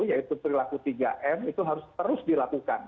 yaitu perilaku tiga m itu harus terus dilakukan